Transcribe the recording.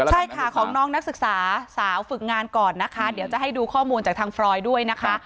ใช่ค่ะของน้องนักศึกษาสาวฝึกงานก่อนนะคะเดี๋ยวจะให้ดูข้อมูลจากทางฟรอยด์ด้วยนะคะ